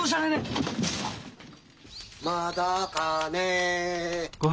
まだかねえ。